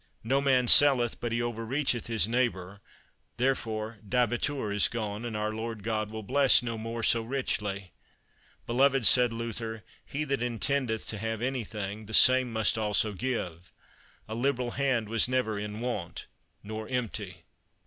No man selleth but he over reacheth his neigbbour, therefore Dabitur is gone, and our Lord God will bless no more so richly. Beloved, said Luther, he that intendeth to have anything, the same must also give; a liberal hand was never in want nor empty.